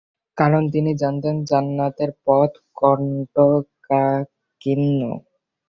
কারণ তিনি জানতেন, জান্নাতের পথ কন্টকাকীর্ণ।